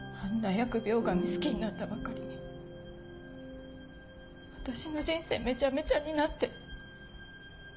疫病神好きになったばかりに私の人生めちゃめちゃになって。